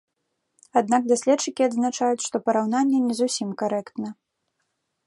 Аднак даследчыкі адзначаюць, што параўнанне не зусім карэктна.